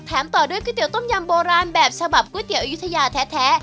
ต่อด้วยก๋วยเตี๋ต้มยำโบราณแบบฉบับก๋วอายุทยาแท้